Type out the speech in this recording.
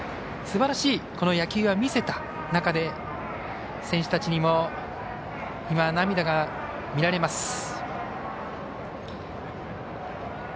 すばらしい野球は見せた中で選手たちにも今、涙が見られます。